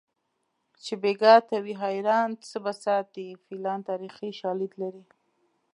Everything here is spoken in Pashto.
چې بیګا ته وي حیران څه به وساتي فیلان تاریخي شالید لري